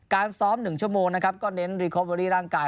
ซ้อม๑ชั่วโมงนะครับก็เน้นรีคอเวอรี่ร่างกาย